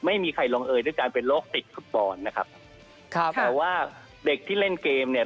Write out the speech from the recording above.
ไม่มีใครลงเอยด้วยการเป็นโรคติดฟุตบอลนะครับครับแต่ว่าเด็กที่เล่นเกมเนี่ย